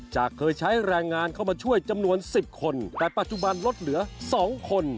เคยใช้แรงงานเข้ามาช่วยจำนวน๑๐คนแต่ปัจจุบันลดเหลือ๒คน